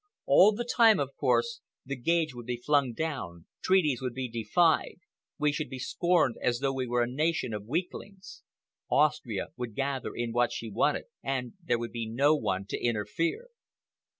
All the time, of course, the gage would be flung down, treaties would be defied, we should be scorned as though we were a nation of weaklings. Austria would gather in what she wanted, and there would be no one to interfere."